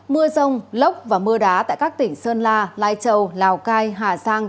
mưa rông lốc và mưa đá tại các tỉnh sơn la lai châu lào cai hà giang